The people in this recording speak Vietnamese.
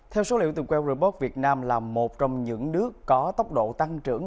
theo số liệu từ quayrobot việt nam là một trong những nước có tốc độ tăng trưởng